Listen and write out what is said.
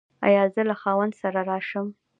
ایا زه له خاوند سره راشم؟